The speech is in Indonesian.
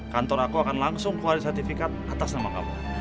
kantor aku akan langsung keluar sertifikat atas nama kamu